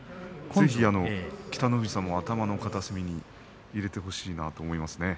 ぜひ北の富士さんも頭の片隅に入れてほしいと思います。